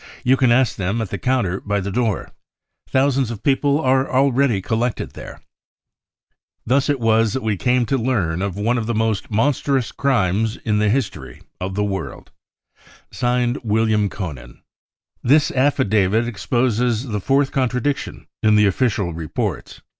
You can ask them at* the counter by the door. Thousands* of people are already collected there.' " Thus it was that we came to learn of one of th* most monstrous crimes in the history of the world, 1 .■■■■>" {Signed) Wilhelm Koenen." THE REAL INCENDIARIES 93 This affidavit exposes the fourth contradiction in the official reports.